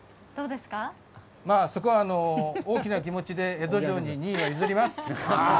そこは大きな気持ちで江戸城に２位は譲ります。